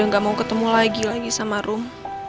bang robby emang mau ketemu lagi lagi sama rum